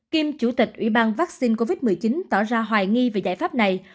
kiêm chủ tịch ủy ban vaccine covid một mươi chín tỏ ra hoài nghi về giải pháp này